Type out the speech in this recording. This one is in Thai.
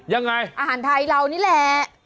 ยังไงอาหารไทยเรานี่แหละ